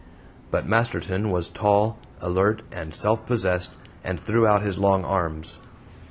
But Masterton was tall, alert, and self possessed, and threw out his long arms.